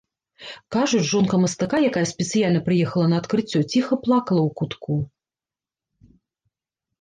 Кажуць, жонка мастака, якая спецыяльна прыехала на адкрыццё, ціха плакала ў кутку.